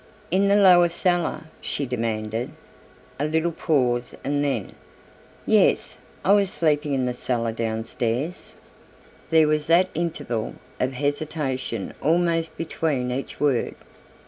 "In the lower cellar?" she demanded, a little pause and then, "Yes, I was sleeping in the cellar downstairs." There was that interval of hesitation almost between each word.